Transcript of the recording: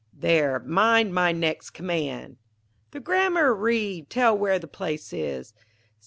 _ There, mind my next command. The grammar read. Tell where the place is.